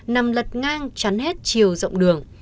nằm lật ngang chắn hết chiều rộng đường